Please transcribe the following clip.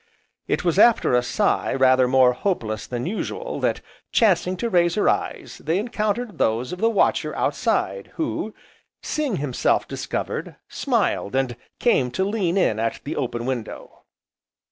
It was after a sigh rather more hopeless than usual that, chancing to raise her eyes they encountered those of the watcher outside, who, seeing himself discovered, smiled, and came to lean in at the open window.